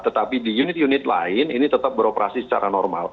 tetapi di unit unit lain ini tetap beroperasi secara normal